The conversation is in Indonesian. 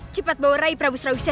sampai jumpa di video selanjutnya